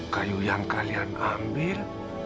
kayu yang kalian ambil